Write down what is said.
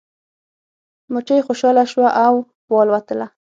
مچۍ خوشحاله شوه او والوتله.